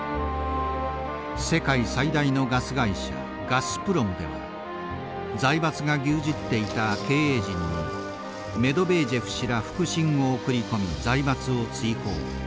ガスプロムでは財閥が牛耳っていた経営陣にメドベージェフ氏ら腹心を送り込み財閥を追放。